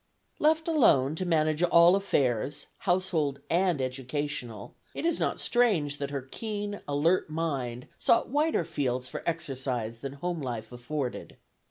Left alone to manage all affairs, household and educational, it is not strange that her keen, alert mind sought wider fields for exercise than home life afforded.